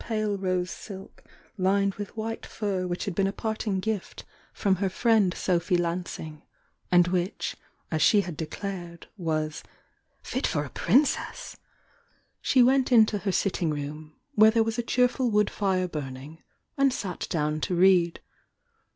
<"«"*^^ UnS with white fur which had been a partmg gut THE YOUNG DIANA 197 from her friend Sophy Lansing, and which, as she had declared, was "fit for a princess," she went into her utting room, where there was a cheerful wood fire burning, and sat down to read.